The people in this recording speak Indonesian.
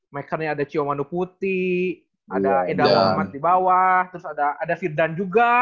makernya ada cio manu putih ada edha alman di bawah terus ada firdan juga